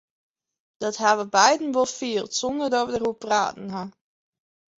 Dat ha we beide wol field sonder dat we dêroer praten ha.